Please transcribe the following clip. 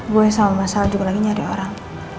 gue sama masalah juga lagi nyari orang